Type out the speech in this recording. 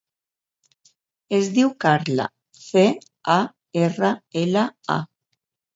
Es diu Carla: ce, a, erra, ela, a.